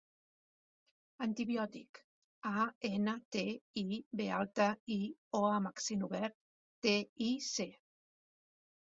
Antibiòtic: a, ena, te, i, be alta, i, o amb accent obert, te, i, ce.